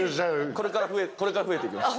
これから増えていきます。